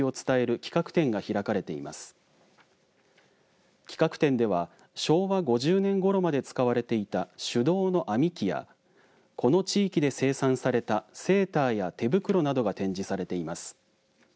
企画展では昭和５０年ごろまで使われていた手動の編み機やこの地域で生産されたセーターや手袋などが展示されています。